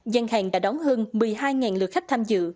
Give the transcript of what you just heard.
gian hàng đã đóng hơn một mươi hai lượt khách tham dự